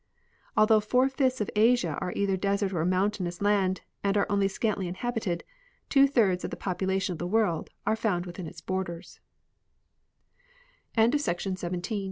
Although four fifths of Asia are either desert or mountainous land and are only scantily inhabited, two thirds of the population of the world are found within its